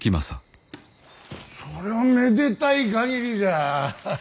そりゃめでたい限りじゃ。